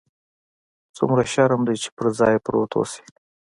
څومره شرم دى چې پر ځاى پروت اوسې.